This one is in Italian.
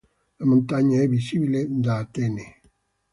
La montagna è visibile da Atene.